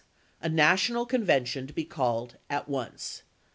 A National Convention to be called at once.